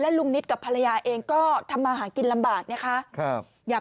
และลุงนิจกับภรรยาเองก็ทำอาหารกินลำบากนะคะ